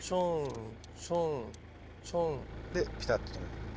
でピタッと止める。